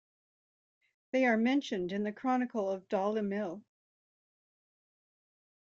They are mentioned in the "Chronicle of Dalimil".